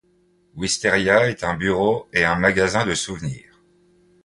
Wisteria est un bureau et un magasin de souvenirs.